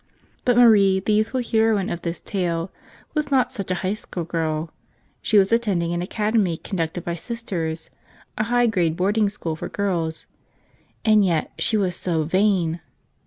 But Marie, the youthful heroine of this tale, was not such a High School girl; she was attending an Acad¬ emy conducted by Sisters, a high grade boarding school for girls. And yet she was so vain!